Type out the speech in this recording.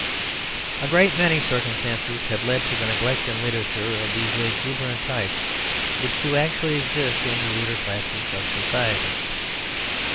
A great many circumstances have led to the neglect in literature of these exuberant types which do actually exist in the ruder classes of society.